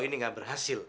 ini nggak berhasil